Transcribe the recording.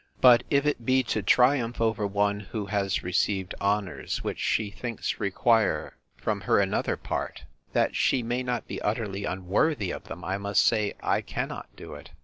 But if it be to triumph over one, who has received honours which she thinks require from her another part, that she may not be utterly unworthy of them, I must say, I cannot do it.